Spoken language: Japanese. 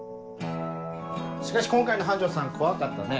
しかし今回の班長さん怖かったね。